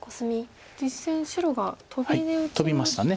実戦白がトビで打ちまして。